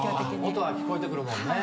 音は聞こえてくるもんね。